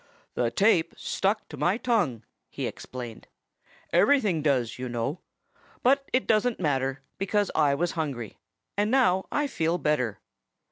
"The tape stuck to my tongue," he explained. "Everything does, you know. But it doesn't matter, because I was hungry. And now I feel better."